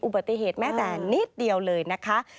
อุบัติเหตุแม้แต่นิดเดียวเลยนะคะ